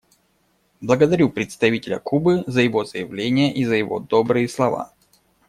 Благодарю представителя Кубы за его заявление и за его добрые слова.